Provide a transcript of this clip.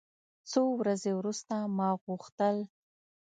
څو ورځې وروسته ما غوښتل.